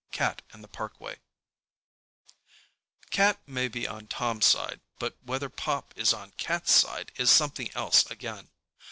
] CAT AND THE PARKWAY Cat may be on Tom's side, but whether Pop is on Cat's side is something else again.